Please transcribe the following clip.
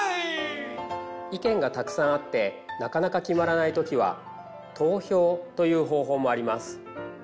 意見がたくさんあってなかなか決まらない時は投票という方法もあります。